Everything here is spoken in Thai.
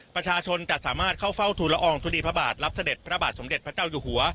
ประชาชนจะสามารถเข้าเฝ้าทุลอองทุลีพระบาทรับเสด็จพระบาทสมเด็จพระเจ้าอยู่หัว